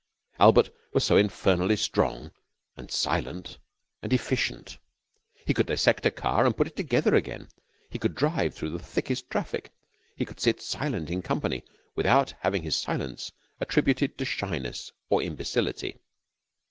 Albert was so infernally strong and silent and efficient. He could dissect a car and put it together again. He could drive through the thickest traffic. He could sit silent in company without having his silence attributed to shyness or imbecility.